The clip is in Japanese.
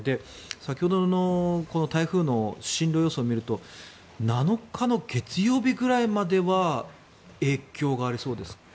先ほどの台風の進路予想を見ると７日の月曜日ぐらいまでは影響がありそうですか？